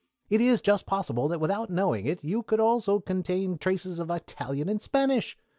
It is just possible that without knowing it you also contain traces of Italian and Spanish.